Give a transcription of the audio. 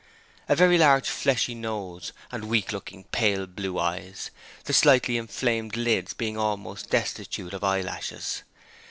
A very large fleshy nose and weak looking pale blue eyes, the slightly inflamed lids being almost destitute of eye lashes.